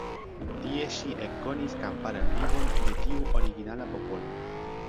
Tie ŝi ekkonis kamparan vivon de tiu originala popolo.